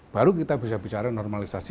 baru kita bisa bicara normalisasi